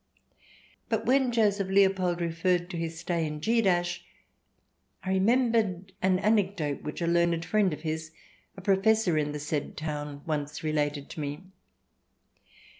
But when Joseph Leopold referred to his stay in Gc I remembered an anecdote which a learned friend of his, a Pro fessor in the said town, once related to me.